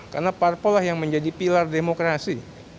karena parpo lah yang menjadi pilar demokrasi